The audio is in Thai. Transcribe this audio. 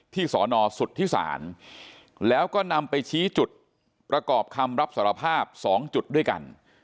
สอนอสุทธิศาลแล้วก็นำไปชี้จุดประกอบคำรับสารภาพ๒จุดด้วยกัน